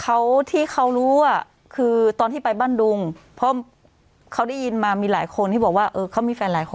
อันนี้คือภาพที่คุณพัทเขาเคยเจอผู้ชายคนหนึ่งเขาบอกว่าเขาเคย